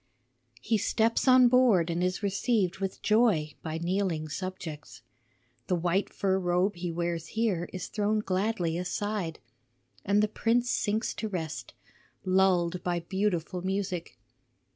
"He steps on board and is received with joy by kneeling subjects. The white fur robe he wears here is thrown gladly aside, and the prince sinks to rest, lulled by beautiful music.